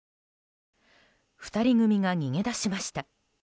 ２人組が逃げ出しました。